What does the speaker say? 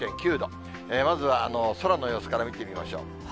まずは空の様子から見てみましょう。